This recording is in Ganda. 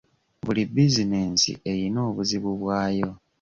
Buli bizinesi eyina obuzibu bwayo.